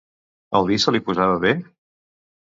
El vi se li posava bé?